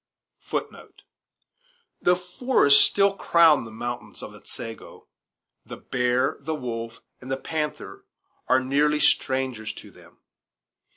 Though forests still crown the mountains of Otsego, the bear, the wolf, and the panther are nearly strangers to them.